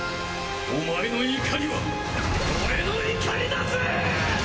お前の怒りは俺の怒りだゼット！